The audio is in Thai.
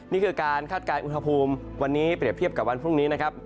นี่คือการคาดการณ์อุณหภูมิวันนี้เปรียบเทียบกับวันพรุ่งนี้นะครับ